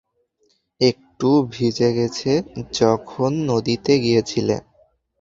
একটু ভিজে গেছে যখন নদীতে গিয়েছিলে।